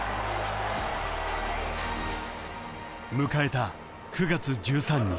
［迎えた９月１３日］